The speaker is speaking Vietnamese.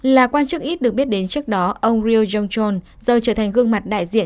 là quan chức ít được biết đến trước đó ông rio jong chol giờ trở thành gương mặt đại diện